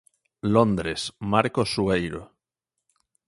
Londres, Marcos Sueiro.